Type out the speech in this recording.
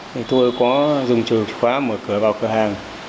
thì tôi có dùng chùm chìa khóa mở cửa vào cửa hàng